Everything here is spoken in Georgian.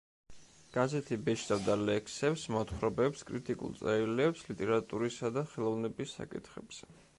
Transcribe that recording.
გაზეთი ბეჭდავდა ლექსებს, მოთხრობებს, კრიტიკულ წერილებს ლიტერატურისა და ხელოვნების საკითხებზე.